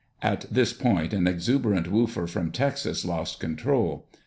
At this point an exuberant woofer from Texas lost control.